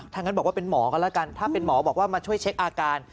ถ้างั้นบอกว่าเป็นหมอก็แล้วกันถ้าเป็นหมอบอกว่ามาช่วยเช็คอาการ